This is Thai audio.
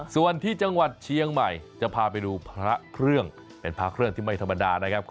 ส่วนที่จังหวัดเชียงใหม่จะพาไปดูพระเครื่องเป็นพระเครื่องที่ไม่ธรรมดานะครับ